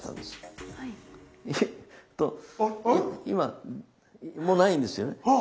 今もうないんですよね。